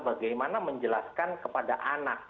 bagaimana menjelaskan kepada anak